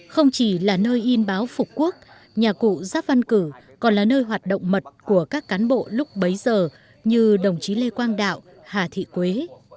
không chỉ là nơi in báo phục quốc nhà cụ giáp văn cử còn là nơi hoạt động mật của các cán bộ lúc bấy giờ như đồng chí lê quang đạo hà thị quế